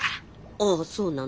ああそうなの？